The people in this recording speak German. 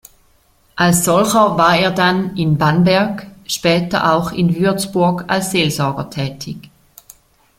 Als solcher war er dann in Bamberg, später auch in Würzburg als Seelsorger tätig.